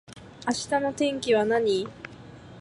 明日の天気は何